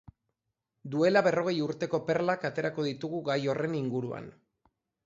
Duela berrogei urteko perlak aterako ditugu gai horren inguruan.